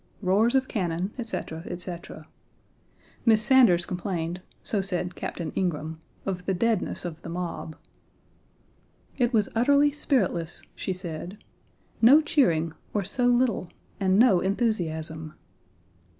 Roars of cannon, etc., etc. Miss Sanders complained (so said Captain Ingraham) of the deadness of the mob. "It was utterly spiritless," she said; "no cheering, or so little, and no enthusiasm."